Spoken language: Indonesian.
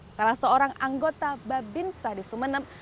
salah seorang anggota babinsa di sumeneb